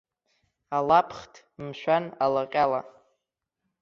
Алаԥхҭ, мшәан, алаҟьала.